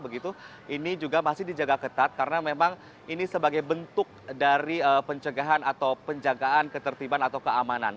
begitu ini juga masih dijaga ketat karena memang ini sebagai bentuk dari pencegahan atau penjagaan ketertiban atau keamanan